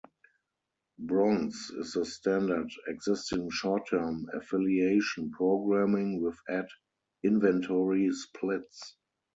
Bronze is the standard existing short term affiliation, programming with ad inventory splits.